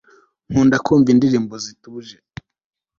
nkunda kumva indirimbo zituje